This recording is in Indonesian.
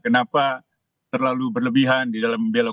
kenapa terlalu berlebihan di dalam membela dua